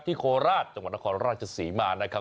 ที่โคลาศจังหวัดนครราชสีมานะครับ